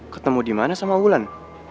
ketemu dimana sama wulan